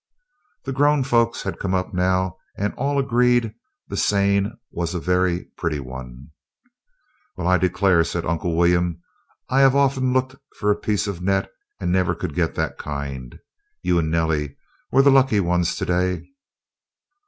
The grown folks had come up now, and all agreed the seine was a very pretty one. "Well, I declare!" said Uncle William, "I have often looked for a piece of net and never could get that kind. You and Nellie were the lucky ones to day."